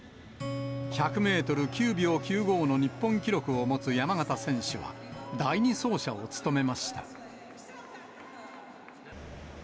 １００メートル９秒９５の日本記録を持つ山縣選手は、第２走者を務めました。